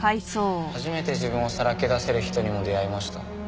初めて自分をさらけ出せる人にも出会いました。